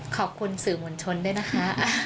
ขอบคุณสื่อมวลชนด้วยนะคะ